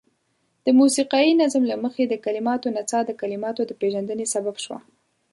د موسيقايي نظام له مخې د کليماتو نڅاه د کليماتو د پيژندني سبب شوه.